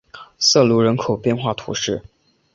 瑟卢人口变化图示